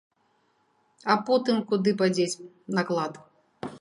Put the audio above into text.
А потым куды падзець наклад?